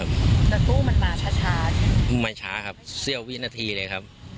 แต่ตู้มันมาช้าช้าใช่ไหมไม่ช้าครับเสี้ยววินาทีเลยครับ